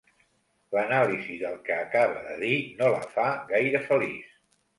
L'anàlisi del que acaba de dir no la fa gaire feliç.